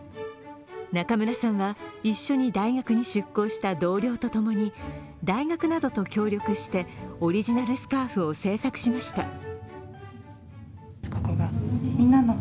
中村さんは一緒に大学に出向した同僚と共に大学などと協力して、オリジナルスカーフを製作しました。